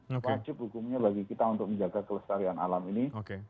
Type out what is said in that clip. wajib hukumnya bagi kita untuk menjaga kelestarian alam ini